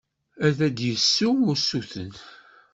Ad d-yessu usuten.